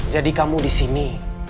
jadi kamu disini